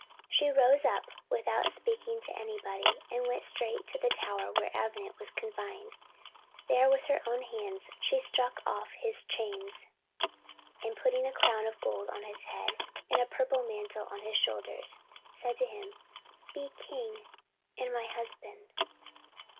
She rose up, without speaking to anybody, and went straight to the tower where Avenant was confined. There, with her own hands, she struck off his chains, and putting a crown of gold on his head, and a purple mantle on his shoulders, said to him, "Be king and my husband."